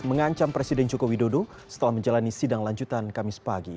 mengancam presiden joko widodo setelah menjalani sidang lanjutan kamis pagi